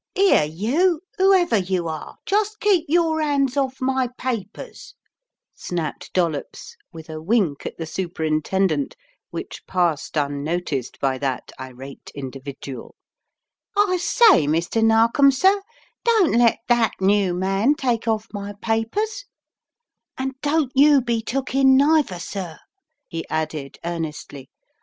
"Here you, whoever you are, just keep your 'ands off my papers," snapped Dollops with a wink at the Superintendent which passed unnoticed by that irate individual. "I say, Mr. Narkom sir, don't let that new man take off my papers, and don't you 132 The Riddle of the Purple Emperor be took in neither, sir," he added, earnestly.